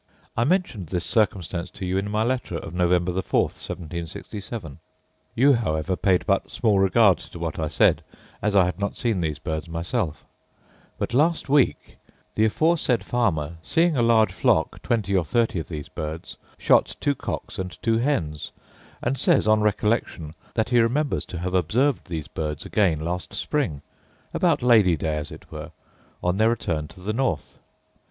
I mentioned this circumstance to you in my letter of November the 4th, 1767 (you, however, paid but small regard to what I said, as I had not seen these birds myself); but last week, the aforesaid farmer, seeing a large flock, twenty or thirty of these birds, shot two cocks and two hens: and says, on recollection, that he remembers to have observed these birds again last spring, about Lady day, as it were, on their return to the north.